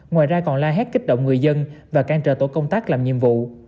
ngoài ra còn la hét kích động người dân và cản trở tổ công tác làm nhiệm vụ